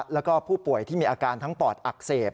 แล้วก็ผู้ป่วยที่มีอาการทั้งปอดอักเสบ